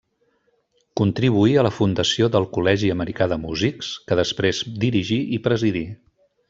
Contribuí a la fundació del Col·legi Americà de Músics, que després dirigí i presidí.